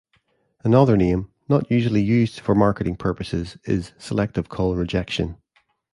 Another name, not usually used for marketing purposes, is "Selective Call Rejection".